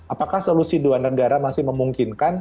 apakah solusi dua negara masih memungkinkan